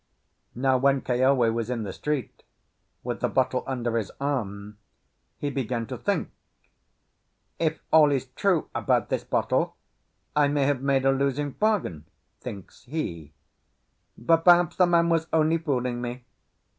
Now, when Keawe was in the street, with the bottle under his arm, he began to think. "If all is true about this bottle, I may have made a losing bargain," thinks he. "But perhaps the man was only fooling me."